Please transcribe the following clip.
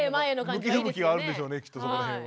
向き不向きがあるんでしょうねきっと。